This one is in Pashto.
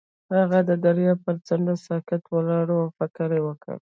هغه د دریاب پر څنډه ساکت ولاړ او فکر وکړ.